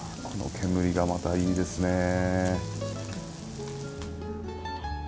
この煙がまたいいですね。